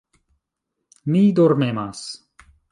Mi dormemas.